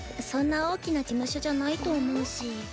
そんな大きな事務所じゃないと思うし。